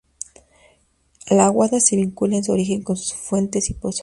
La Aguada se vincula en su origen con sus fuentes y pozos.